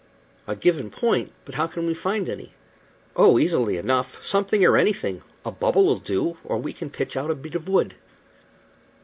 "A given point? But how can we find any?" "Oh, easily enough; something or anything a bubble'll do, or we can pitch out a bit of wood."